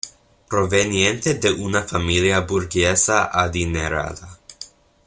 Proveniente de una familia burguesa adinerada.